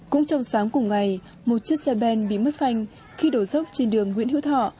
cũng trong sáng cùng ngày một chiếc xe ben bí mất phanh khi đổ dốc trên đường nguyễn hữu thọ